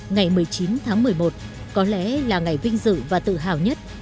ngày một mươi chín tháng một mươi một có lẽ là ngày vinh dự và tự hào nhất